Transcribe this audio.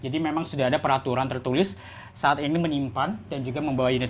jadi memang sudah ada peraturan tertulis saat ini menyimpan dan juga membawa unit